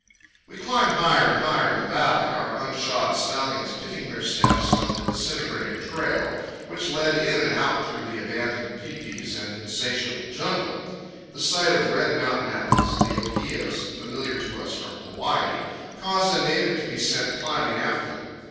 We climbed higher and higher in the valley, our unshod stallions picking their steps on the disintegrating trail, which led in and out through the abandoned pae paes and insatiable jungle. The sight of red mountain apples, the ohias, familiar to us from Hawaii, caused a native to be sent climbing after them.